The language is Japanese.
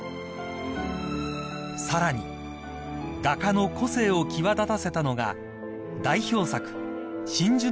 ［さらに画家の個性を際立たせたのが代表作］